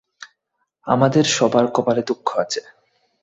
আমাদের সবার কপালে দুঃখ আছে।